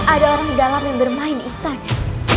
ada orang dalam yang bermain di istana